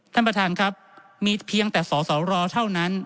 ท่านประธานครับมีเพียงแต่สสรเท่านั้น